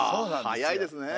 早いですね。